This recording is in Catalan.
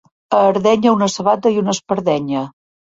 A Ardenya, una sabata i una espardenya.